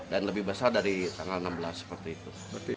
dan lebih besar dari tanggal enam belas waktu itu